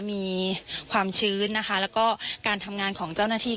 มีความชื้นนะคะแล้วก็การทำงานของเจ้าหน้าที่